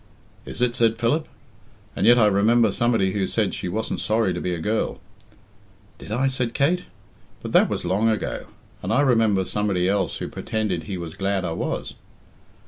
"Is it?" said Philip. "And yet I remember somebody who said she wasn't sorry to be a girl." "Did I?" said Kate. "But that was long ago. And I remember somebody else who pretended he was glad I was."